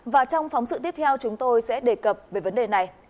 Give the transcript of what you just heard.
và trong phóng sự tiếp theo chúng tôi sẽ đề cập về vấn đề này